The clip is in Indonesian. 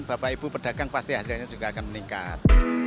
bapak ibu pedagang pasti hasilnya juga akan meningkat